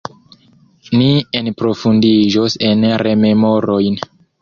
Ni enprofundiĝos en rememorojn.